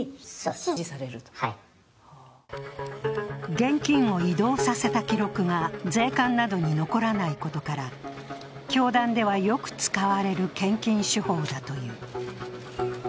現金を移動させた記録が税関などに残らないことから教団ではよく使われる献金手法だという。